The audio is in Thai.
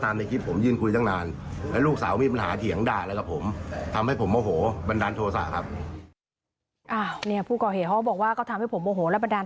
แต่พนักงานคุณเอิงเขาออกไปรับลูกก็จริง